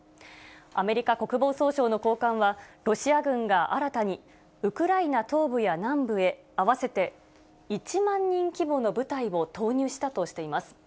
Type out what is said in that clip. アメリカ国防総省の高官は、ロシア軍が新たにウクライナ東部や南部へ、合わせて１万人規模の部隊を投入したとしています。